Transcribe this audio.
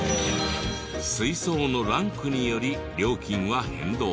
水槽のランクにより料金は変動。